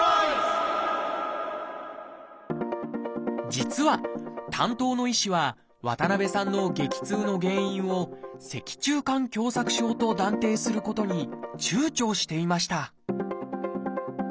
実は担当の医師は渡さんの激痛の原因を「脊柱管狭窄症」と断定することに躊躇していました